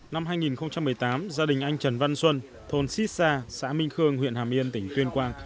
năm hai nghìn một mươi tám gia đình anh trần văn xuân thôn xít sa xã minh khương huyện hàm yên tỉnh tuyên quang